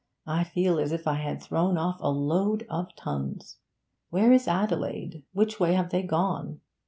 I feel as if I had thrown off a load of tons! Where is Adelaide? Which way have they gone?'